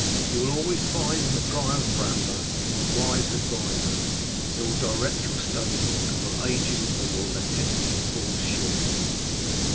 You will always find in the prior of Bramber a wise adviser, who will direct your studies, and will aid you where your Latinity falls short.